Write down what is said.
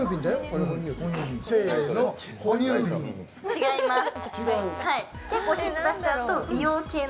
違います。